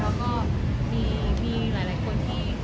แล้วก็มีหลายคนที่